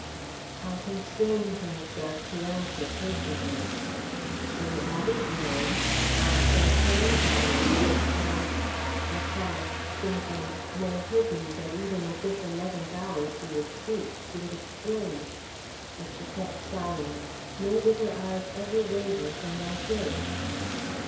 I constrained myself to answer patiently. "In the Abbey grounds, on St. Helen's Island, and " I paused, thinking, nay hoping, that even at this eleventh hour she would speak, she would explain. But she kept silence, nor did her eyes ever waver from my face.